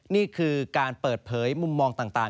นี่คือการเปิดเผยมุมมองต่าง